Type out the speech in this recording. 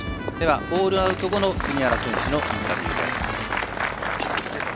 ホールアウト後の杉原選手のインタビューです。